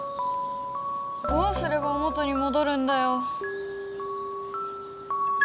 どうすれば元にもどるんだよ。